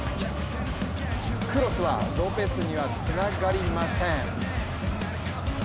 クロスはロペスにはつながりません。